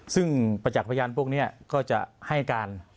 ซึ่งประจักษ์พยานพวกนี้ก็จะให้การ